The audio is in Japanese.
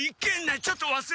ちょっとわすれ物。